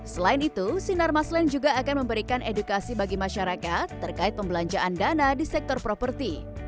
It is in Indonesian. selain itu sinar maslen juga akan memberikan edukasi bagi masyarakat terkait pembelanjaan dana di sektor properti